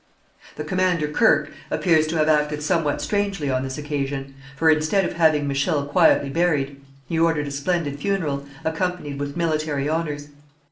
The commander Kirke appears to have acted somewhat strangely on this occasion, for instead of having Michel quietly buried, he ordered a splendid funeral, accompanied with military honours.